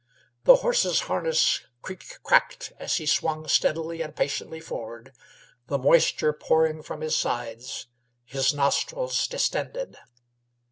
The horse's harness "creak cracked" as he swung steadily and patiently forward, the moisture pouring from his sides, his nostrils distended.